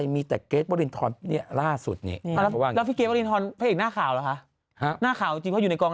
ย้ำก็เฟื้อเชียนเก่ง